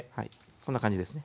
こんな感じですね。